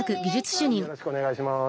よろしくお願いします。